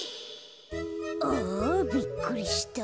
あびっくりした。